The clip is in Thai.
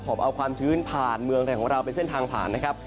บเอาความชื้นผ่านเมืองไทยของเราเป็นเส้นทางผ่านนะครับ